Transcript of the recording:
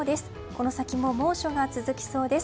この先も猛暑が続きそうです。